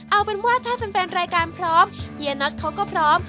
เอาเป็นว่าถ้าแฟนรายการพร้อมเฮียน็อตเขาก็พร้อม